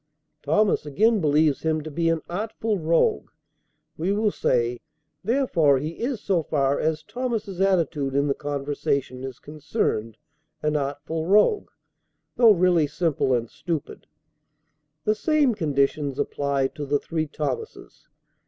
Thomas, again believes him to be an artful rogue, we will say; therefore he is so far as Thomas's attitude in the conversation is concerned, an artful rogue, though really simple and stupid. The same conditions apply to the three Thomases.